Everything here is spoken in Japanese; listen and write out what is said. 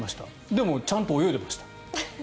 でもちゃんと泳いでました。